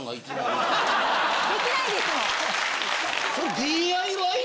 できないですもん！